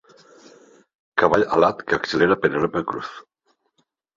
Cavall alat que accelera Penèlope Cruz.